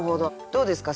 どうですか？